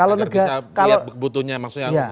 agar bisa lihat kebutuhannya maksudnya apa